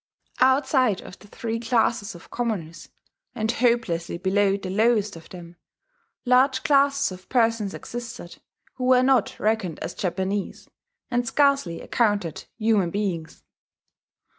Outside of the three classes of commoners, and hopelessly below the lowest of them, large classes of persons existed who were not reckoned as Japanese, and scarcely accounted human beings.